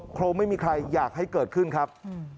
คงไม่มีใครอยากให้เกิดขึ้นครับ